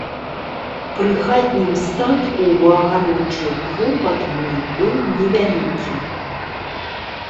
Пры хатнім статку ў агароджы клопат мой быў невялікі.